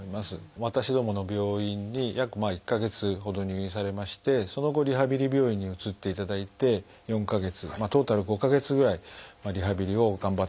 私どもの病院に約１か月ほど入院されましてその後リハビリ病院に移っていただいて４か月トータル５か月ぐらいリハビリを頑張っていただきました。